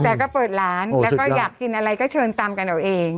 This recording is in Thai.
แต่ก็เปิดร้านแล้วก็อยากกินอะไรก็เชิญตำกันเอาเอง